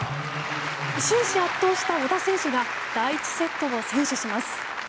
終始圧倒した小田選手が第１セットを先取します。